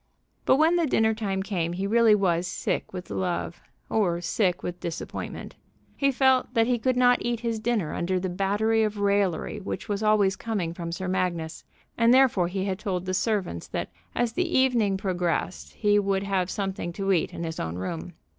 But when the dinner time came he really was sick with love, or sick with disappointment. He felt that he could not eat his dinner under the battery of raillery which was always coming from Sir Magnus, and therefore he had told the servants that as the evening progressed he would have something to eat in his own room.